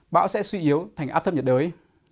bão sẽ suy yếu thành áp thấp nhiệt đới